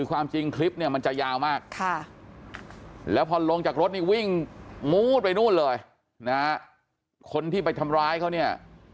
วิ่งมูดไปนู่นเลยนะฮะคนที่ไปทำร้ายเขาเนี้ย